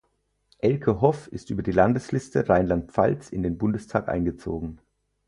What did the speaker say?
Elke Hoff ist über die Landesliste Rheinland-Pfalz in den Bundestag eingezogen.